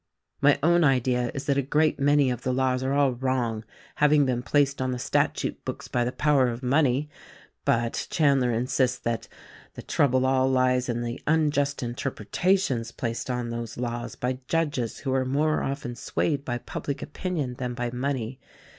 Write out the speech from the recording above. My own idea is that a great many of the laws are all wrong — having been placed on the statute books by the power of money; but Chandler insists that the trouble all lies in the unjust interpretations placed on those laws by judges who are more often swaved bv public opinion than by money.